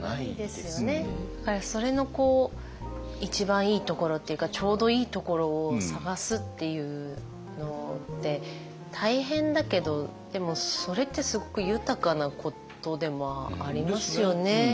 だからそれの一番いいところっていうかちょうどいいところを探すっていうのって大変だけどでもそれってすごく豊かなことでもありますよね。